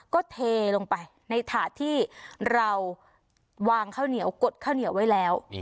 ก็เทลงไปในถาดที่เราวางข้าวเหนียวกดข้าวเหนียวไว้แล้ว